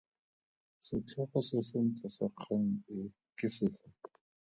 Setlhogo se sentle sa kgang e ke sefe?